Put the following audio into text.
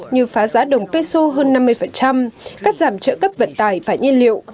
như phá giá đồng peso hơn năm mươi cắt giảm trợ cấp vận tài và nhiên liệu